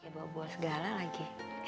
buah buah segala lagi